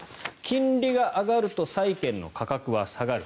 金利が上がると債券の価格は下がる。